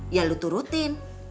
ya lu turutin